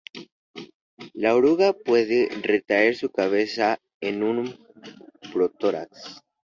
La oruga puede retraer su cabeza en su protórax.